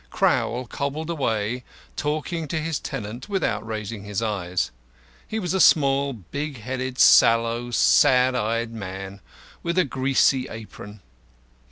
Crowl cobbled away, talking to his tenant without raising his eyes. He was a small, big headed, sallow, sad eyed man, with a greasy apron.